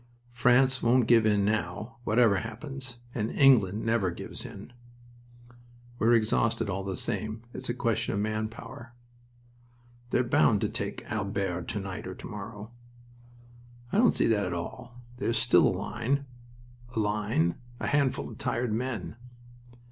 "France won't give in now, whatever happens. And England never gives in." "We're exhausted, all the same. It's a question of man power." "They're bound to take Albert to night or to morrow." "I don't see that at all. There's still a line..." "A line! A handful of tired men."